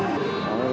hát dân ca quan họ